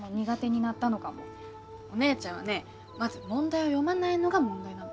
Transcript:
お姉ちゃんはねまず問題を読まないのが問題なの。